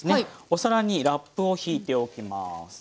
お皿にラップをひいておきます。